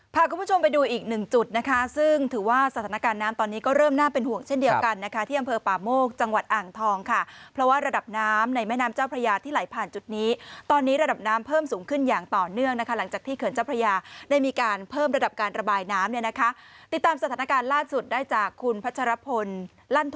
พาคุณผู้ชมไปดูอีกหนึ่งจุดนะคะซึ่งถือว่าสถานการณ์น้ำตอนนี้ก็เริ่มน่าเป็นห่วงเช่นเดียวกันนะคะที่อำเภอป่าโมกจังหวัดอ่างทองค่ะเพราะว่าระดับน้ำในแม่น้ำเจ้าพระยาที่ไหลผ่านจุดนี้ตอนนี้ระดับน้ำเพิ่มสูงขึ้นอย่างต่อเนื่องนะคะหลังจากที่เขื่อนเจ้าพระยาได้มีการเพิ่มระดับการระบายน้ำเนี่ยนะคะติดตามสถานการณ์ล่าสุดได้จากคุณพัชรพลลั่นท